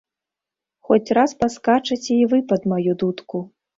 Хоць раз паскачаце і вы пад маю дудку.